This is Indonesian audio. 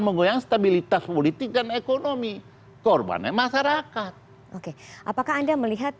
menggoyang stabilitas politik dan ekonomi korbannya masyarakat oke apakah anda melihat